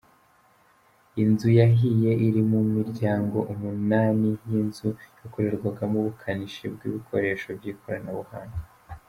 Inzu yahiye iri mu miryango umunani y’inzu yakorerwagamo ubukanishi bw’ibikoresho by’ikoranabuhanga.